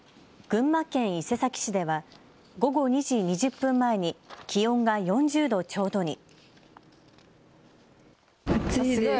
群馬県伊勢崎市では午後２時２０分前に気温が４０度ちょうどに。